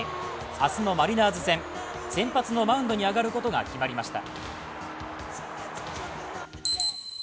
明日のマリナーズ戦先発のマウンドに上がることが決まりました。